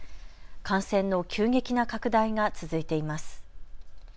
感染の急激な拡大が続いています。